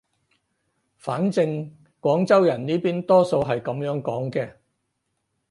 反正廣州人呢邊多數係噉樣講嘅